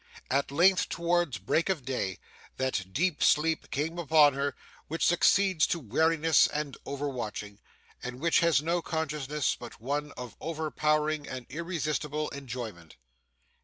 At length, towards break of day, that deep sleep came upon her which succeeds to weariness and over watching, and which has no consciousness but one of overpowering and irresistible enjoyment.